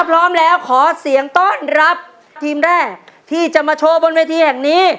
พร้อมแล้วขอเสียงต้อนรับทีมแรกที่จะมาโชว์บนเวทีแห่งนี้